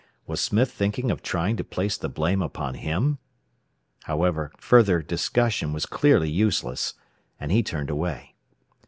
Was Smith thinking of trying to place the blame upon him? However, further discussion was clearly useless, and he turned away.